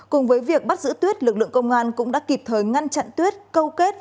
cùng với việc bắt giữ tuyết lực lượng công an cũng đã kịp thời ngăn chặn tuyết câu kết